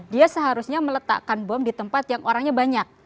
dia seharusnya meletakkan bom di tempat yang orangnya banyak